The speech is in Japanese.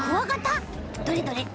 どれどれ？